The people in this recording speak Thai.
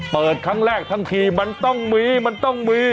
เปิดครั้งแรกทั้งทีมันต้องมีมันต้องมี